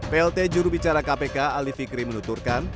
plt jurubicara kpk ali fikri menuturkan